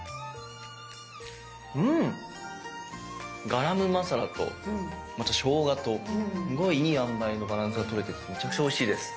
うんガラムマサラとまたしょうがとすごいいいあんばいのバランスがとれててめちゃくちゃおいしいです。